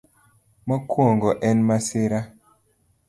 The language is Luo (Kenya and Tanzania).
Mokwongo, en masira.